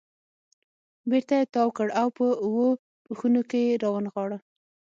بېرته یې تاو کړ او په اوو پوښونو کې یې را ونغاړه.